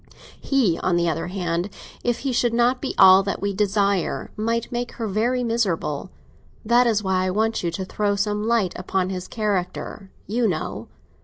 He, on the other hand, if he should not be all that we desire, might make her very miserable. That is why I want you to throw some light upon his character, you know.